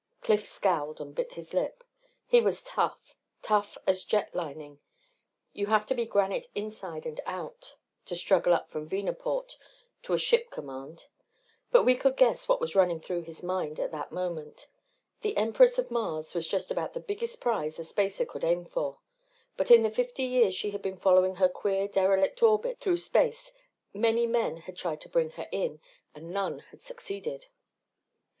Cliff scowled and bit his lip. He was tough, tough as jet lining you have to be granite inside and out to struggle up from Venaport to a ship command. But we could guess what was running through his mind at that moment. The Empress of Mars was just about the biggest prize a spacer could aim for. But in the fifty years she had been following her queer derelict orbit through space many men had tried to bring her in and none had succeeded.